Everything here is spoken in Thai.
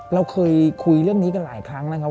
เราเคยคุยเรื่องนี้กันหลายครั้งนะครับ